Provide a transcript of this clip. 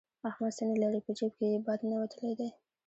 احمد څه نه لري؛ په جېب کې يې باد ننوتلی دی.